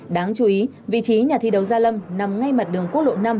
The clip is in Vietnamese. đáng chú ý vị trí nhà thi đấu gia lâm nằm ngay mặt đường quốc lộ năm